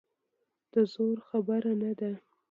د زور خبره نه ده.